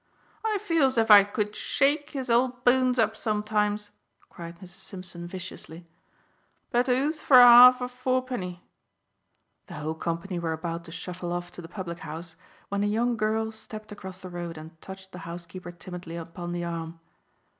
"I feel as if I could shake his old bones up sometimes!" cried Mrs. Simpson viciously. "But who's for a 'arf of fourpenny?" The whole company were about to shuffle off to the public house, when a young girl stepped across the road and touched the housekeeper timidly upon the arm.